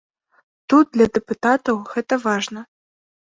Тут для дэпутатаў гэта важна.